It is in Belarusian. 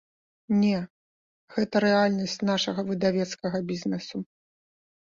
Не, гэта рэальнасць нашага выдавецкага бізнесу.